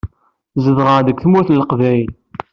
Zedɣeɣ deg Tmurt n Leqbayel.